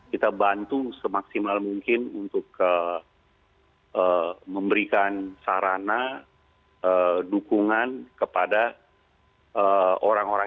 kita bantu semaksimal mungkin untuk memberikan kebanyakan kemampuan